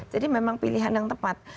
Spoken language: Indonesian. jadi memang pilihan yang tepat